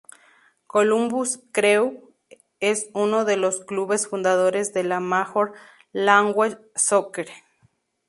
Columbus Crew es uno de los clubes fundadores de la Major League Soccer.